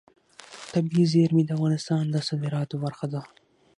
طبیعي زیرمې د افغانستان د صادراتو برخه ده.